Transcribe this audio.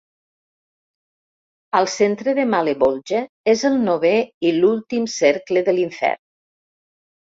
Al centre de Malebolge és el novè i últim cercle de l'infern.